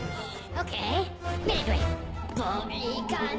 ＯＫ。